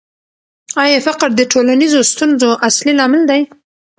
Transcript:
آیا فقر د ټولنیزو ستونزو اصلي لامل دی؟